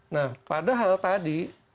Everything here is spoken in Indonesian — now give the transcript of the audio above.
nah padahal tadi